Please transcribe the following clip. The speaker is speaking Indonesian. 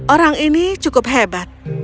orang ini cukup hebat